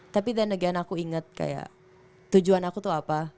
tapi than again aku inget kayak tujuan aku tuh apa